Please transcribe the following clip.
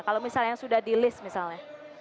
kalau misalnya yang sudah di list misalnya